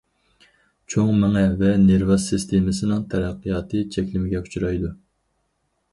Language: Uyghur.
چوڭ مېڭە ۋە نېرۋا سىستېمىسىنىڭ تەرەققىياتى چەكلىمىگە ئۇچرايدۇ.